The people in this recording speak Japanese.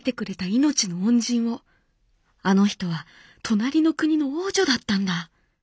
あの人は隣の国の王女だったんだ！」。